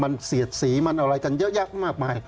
มันเสียดสีมันอะไรกันเยอะแยะมากมาย